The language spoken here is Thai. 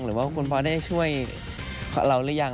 หรือว่าคุณพ่อได้ช่วยเราหรือยัง